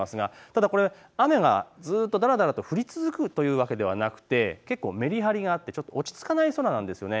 ただ雨がだらだらと降り続くというわけではなく、めりはりがあって落ち着かない空です。